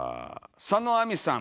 「佐野亜実」さん。